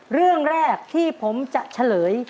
เรื่องแรกที่ผมจะเฉลย